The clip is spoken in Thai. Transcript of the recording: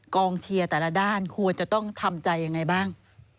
กองเชียร์แต่ละด้านควรจะต้องทำใจยังไงบ้าง